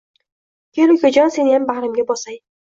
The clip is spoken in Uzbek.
Kel, ukajon, seniyam bag`rimga bosay